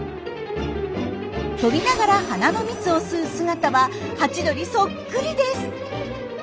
飛びながら花の蜜を吸う姿はハチドリそっくりです。